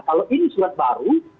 kalau ini surat baru